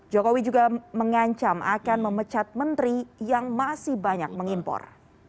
jokowi juga mengancam akan memecat menteri yang masih banyak mengimpor